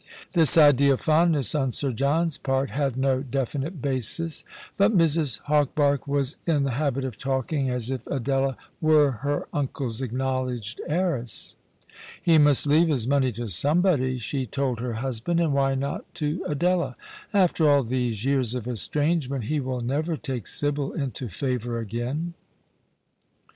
This idea of fondness on Sir John's part had no definite basis, but Mrs. Hawberk was in the habit of talking as if Adela were her uncle's acknowledged heiress. " He must leave his money to somebody," she told her husband, " and why not to Adela ? After all these years of estrangement he will never take Sibyl into favour again."